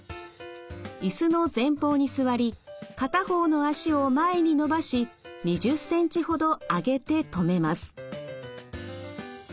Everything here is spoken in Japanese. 椅子の前方に座り片方の脚を前に伸ばし２０センチほど上げて止めます。